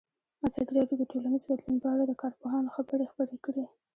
ازادي راډیو د ټولنیز بدلون په اړه د کارپوهانو خبرې خپرې کړي.